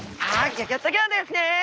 ギョギョッと号ですね！